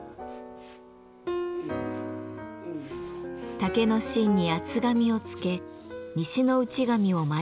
竹の芯に厚紙を付け西の内紙を巻いていきます。